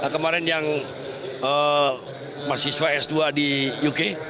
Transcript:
kemarin yang mahasiswa s dua di uk